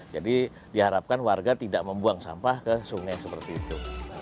jadi diharapkan warga tidak membuang sampah ke sungai seperti itu